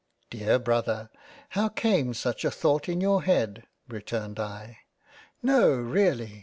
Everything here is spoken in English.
Dear Brother, how came such a thought in your head ! (returned I) No really